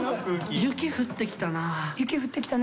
雪降ってきたね。